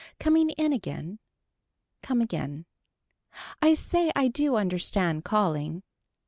Coming in again. Come again. I say I do understand calling.